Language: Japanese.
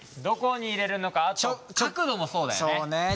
どこに入れるのかあと角度もそうだよね。